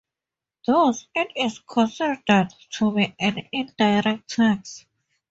Thus, it is considered to be an indirect tax.